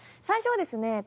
最初はですね